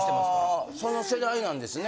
あその世代なんですね。